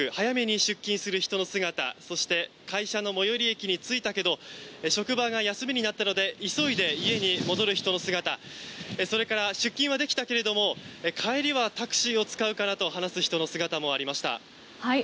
駅で取材すると早めに出勤する人の姿そして会社の最寄り駅に着いたけど職場が休みになったので急いで家に戻る人の姿それから、出勤はできたけれども帰りはタクシーを使うかなと話す人の姿もありました。